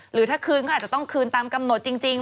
หรือถ้าคืนก็อาจจะต้องคืนตามกำหนดจริง